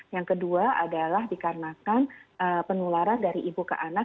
yang kedua adalah dikarenakan penularan dari ibu ke anak